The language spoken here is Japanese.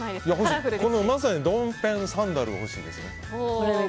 まさにこのドンペンサンダルは欲しいですね。